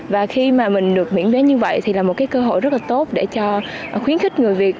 và khi mà mình được miễn vé như vậy thì là một cái cơ hội rất là tốt để cho khuyến khích người việt